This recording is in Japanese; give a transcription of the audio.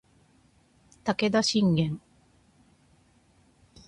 武田信玄